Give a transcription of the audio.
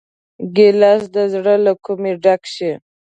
ګیلاس د زړه له کومي ډک شي.